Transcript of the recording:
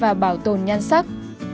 và bảo tồn nhan sắc